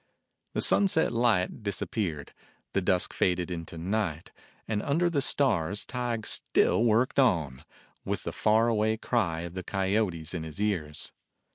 The sunset light disappeared, the dusk faded into night, and under the stars Tige still worked on, with the far away cry of the coyotes in his ears.